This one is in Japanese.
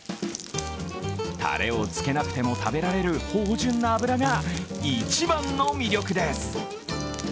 たれをつけなくても食べられる芳じゅんな脂が一番の魅力です。